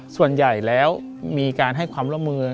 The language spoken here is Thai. ส่วนใหญ่แล้วมีการให้ความร่วมมือ